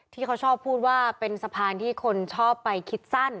ที่เขาชอบพูดว่าเป็นสะพานที่คนชอบไปคิดสั้น